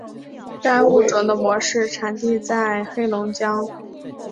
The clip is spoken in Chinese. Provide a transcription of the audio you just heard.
该物种的模式产地在黑龙江。